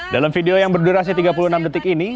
dalam video yang berdurasi tiga puluh enam detik ini